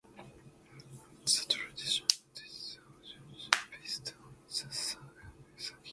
The traditional dates of Guisin's rule are based on the "Samguk Sagi".